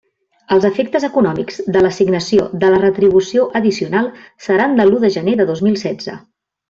Els efectes econòmics de l'assignació de la retribució addicional seran de l'u de gener de dos mil setze.